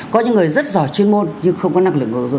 có những người rất giỏi chuyên môn nhưng không có năng lực